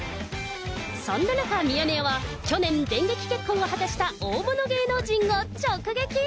そんな中、ミヤネ屋は去年電撃結婚を果たした大物芸能人を直撃。